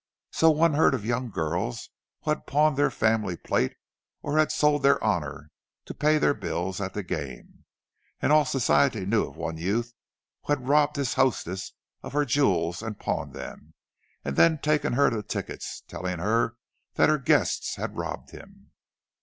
So one heard of young girls who had pawned their family plate, or who had sold their honour, to pay their bills at the game; and all Society knew of one youth who had robbed his hostess of her jewels and pawned them, and then taken her the tickets—telling her that her guests had robbed him.